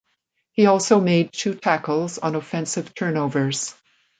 He also made two tackles on offensive turnovers.